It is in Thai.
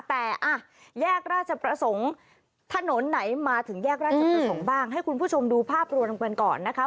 แต่แยกราชประสงค์ถนนไหนมาถึงแยกราชประสงค์บ้างให้คุณผู้ชมดูภาพรวมกันก่อนนะคะ